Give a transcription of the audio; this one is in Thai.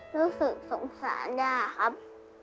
รู้สึกสงสารย่าครับ